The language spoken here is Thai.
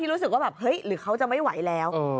รู้สึกว่าแบบเฮ้ยหรือเขาจะไม่ไหวแล้ว